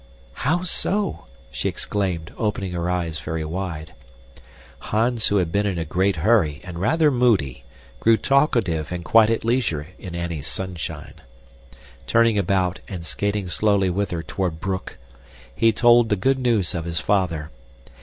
"How so?" she exclaimed, opening her eyes very wide. Hans, who had been in a great hurry and rather moody, grew talkative and quite at leisure in Annie's sunshine. Turning about, and skating slowly with her toward Broek, he told the good news of his father.